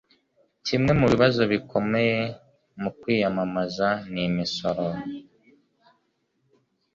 Kimwe mu bibazo bikomeye mu kwiyamamaza ni imisoro.